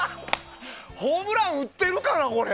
ホームラン打てるかな、これ。